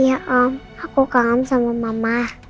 aku kangen sama mama